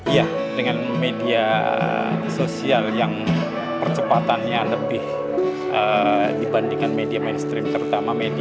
iya dengan media sosial yang percepatannya lebih dibandingkan media mainstream terutama media